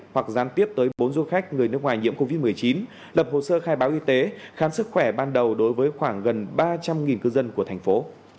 hoặc gián tiếp tới bốn du khách người nước ngoài nhiễm covid một mươi chín lập hồ sơ khai báo y tế khám sức khỏe ban đầu đối với khoảng gần ba trăm linh cư dân của thành phố